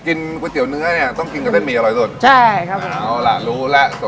กินก๋วยเตี๋ยวเนื้อเนี่ยต้องกินกับเส้นหมี่อร่อยสุด